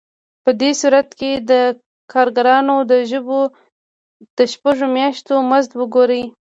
په دې صورت کې د کارګرانو د شپږو میاشتو مزد وګورئ